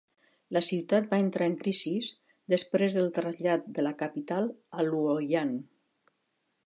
La ciutat va entrar en crisi després del trasllat de la capital a Luoyang.